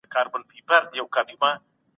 مور له لوري جینونه قوي اغېز لري.